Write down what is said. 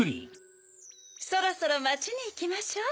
そろそろまちにいきましょう。